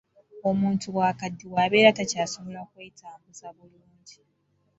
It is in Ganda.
Omuntu bw'akaddiwa, abeera takyasobola kwetambuza bulungi.